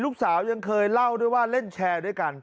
ยังเคยเล่าด้วยว่าเล่นแชร์ด้วยกัน